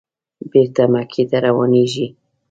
بېرته مکې ته روانېږي.